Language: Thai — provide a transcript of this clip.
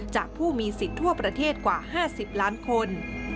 จากผู้มีสิทธิ์ทั่วประเทศกว่า๕๐ล้านคน